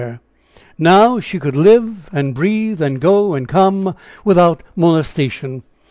Now she could live and breathe, and go and come without molestation.